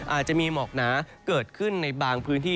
อาจจะมีหมอกหนาเกิดขึ้นในบางพื้นที่